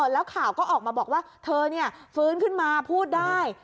แล้วข่าวก็ออกมาบอกว่าเธอฟื้นขึ้นมาพูดได้